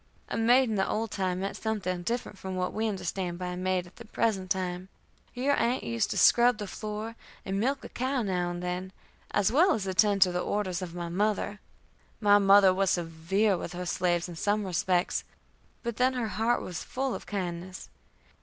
A maid in the old time meant something different from what we understand by a maid at the present time. Your aunt used to scrub the floor and milk a cow now and then, as well as attend to the orders of my mother. My mother was severe with her slaves in some respects, but then her heart was full of kindness.